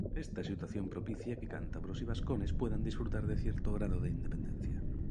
Esta situación propicia que cántabros y vascones puedan disfrutar de cierto grado de independencia.